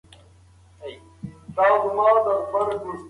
تاسو د خپلو مېوو باغ ته په وخت اوبه ورکړئ.